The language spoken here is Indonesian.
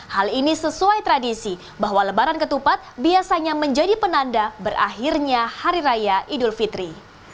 hal ini sesuai tradisi bahwa lebaran ketupat biasanya menjadi penanda berakhirnya hari raya idul fitri